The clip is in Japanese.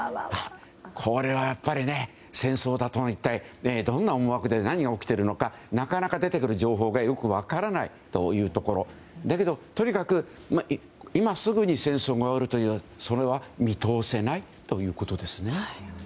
これは、戦争でどんな思惑で何が起きているのかなかなか出てくる情報がよく分からないけど、とにかく今すぐに戦争が終わるというそれは見通せないということですね。